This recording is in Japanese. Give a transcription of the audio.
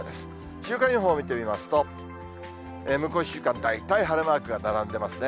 週間予報を見てみますと、向こう１週間、大体晴れマークが並んでますね。